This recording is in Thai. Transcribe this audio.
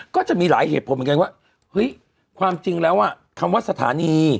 ก็จะมีหลายเหตุผลเหมือนกันว่าเฮ้ยความจริงแล้วคำว่าสถานี